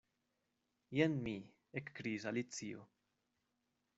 "Jen mi" ekkriis Alicio.